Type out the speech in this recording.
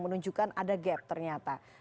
menunjukkan ada gap ternyata